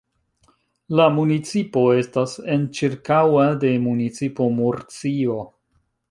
La municipo estas enĉirkaŭa de municipo Murcio.